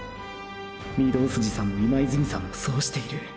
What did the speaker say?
御堂筋さんも今泉さんもそうしている。